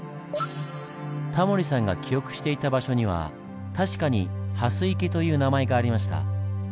タモリさんが記憶していた場所には確かに「蓮池」という名前がありました。